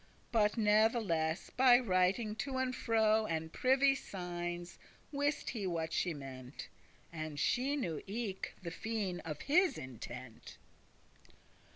But natheless, by writing to and fro, And privy signes, wist he what she meant, And she knew eke the fine* of his intent.